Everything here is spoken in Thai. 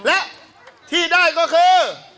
และที่ได้ก็คือ